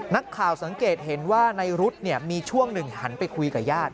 นักข่าวสังเกตเห็นว่าในรุ๊ดมีช่วงหนึ่งหันไปคุยกับญาติ